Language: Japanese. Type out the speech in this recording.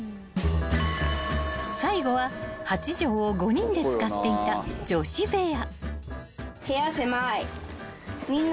［最後は８畳を５人で使っていた女子部屋］